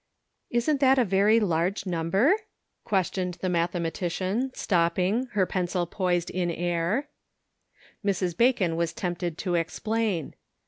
" Isn't that a very large number ?" ques 76 The Pocket Measure. tioned the mathematician, stopping, her pencil poised in air. Mrs. Bacon was tempted to explain.